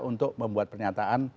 untuk membuat pernyataan